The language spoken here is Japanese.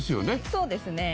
そうですね。